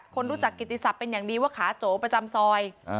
คนรู้จักกิติศัพท์เป็นอย่างดีว่าขาโจประจำซอย